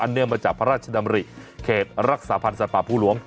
เนื่องมาจากพระราชดำริเขตรักษาพันธ์สัตว์ป่าภูหลวง